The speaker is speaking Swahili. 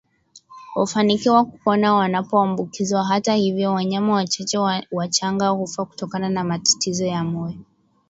hufanikiwa kupona wanapoambukizwa Hata hivyo wanyama wachache wachanga hufa kutokana na matatizo ya moyo